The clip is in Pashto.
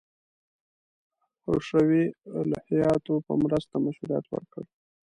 حشوي الهیاتو په مرسته مشروعیت ورکړ.